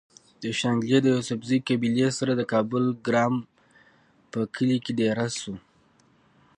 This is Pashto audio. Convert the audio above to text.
د شانګلې د يوسفزۍقبيلې سره د کابل ګرام پۀ کلي کې ديره شو